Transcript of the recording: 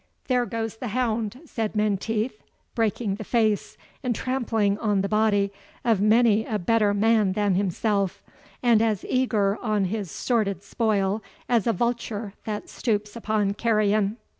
"There goes the hound," said Menteith, "breaking the face, and trampling on the body, of many a better man than himself; and as eager on his sordid spoil as a vulture that stoops upon carrion.